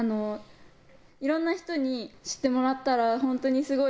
いろんな人に知ってもらったらホントにすごい。